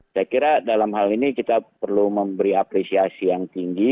saya kira dalam hal ini kita perlu memberi apresiasi yang tinggi